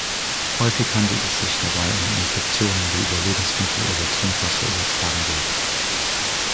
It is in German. Häufig handelt es sich dabei um Infektionen, die über Lebensmittel oder Trinkwasser übertragen werden.